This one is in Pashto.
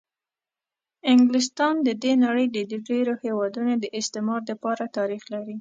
انګلستان د د نړۍ د ډېرو هېوادونو د استعمار دپاره تاریخ لري.